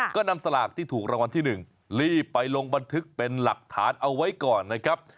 ก็นำสลากที่ถูกรางวัลที่๑รีบไปลงบันทึกเป็นหลักฐานเอาไว้ก่อนนะครับ